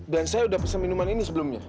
saya sudah pesan minuman ini sebelumnya